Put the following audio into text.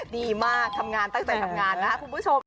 ดีมากทำงานตั้งใจทำงานนะครับคุณผู้ชม